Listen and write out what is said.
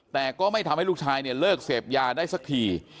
แต่ก็ไม่ทำให้ลูกชายเนี่ยเลิกเสพยาได้สักที